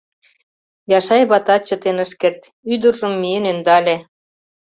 Яшай ватат чытен ыш керт — ӱдыржым миен ӧндале: